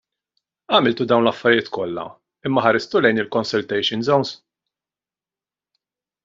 Għamiltu dawn l-affarijiet kollha, imma ħaristu lejn il-consultation zones?